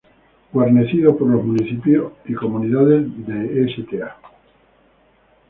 Guarnecido por los municipios y comunidades de Sta.